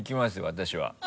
私は。